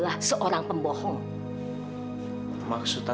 nah siapa yang benar itu